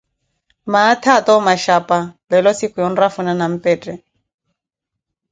maathi ata omashapa, leelo siikhu ya onrafuna nampetthe.